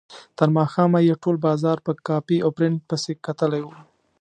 تر ماښامه یې ټول بازار په کاپي او پرنټ پسې کتلی و.